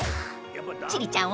［千里ちゃん